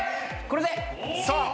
これで。